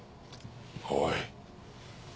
おい。